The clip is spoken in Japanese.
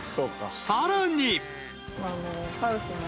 ［さらに］